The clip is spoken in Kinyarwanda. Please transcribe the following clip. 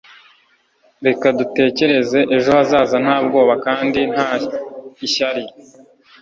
reka dutekereze ejo hazaza nta bwoba kandi nta ishyari